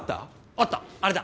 あったあれだ。